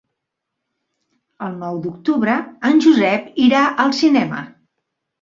El nou d'octubre en Josep irà al cinema.